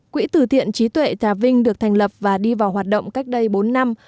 quỹ tử thiện trí tuệ trà vinh được thành lập và đi vào hoạt động cách đây bốn năm